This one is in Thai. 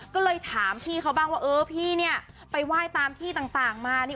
ก็เลยถามพี่เขาบ้างว่าเออพี่เนี่ยไปไหว้ตามที่ต่างมานี่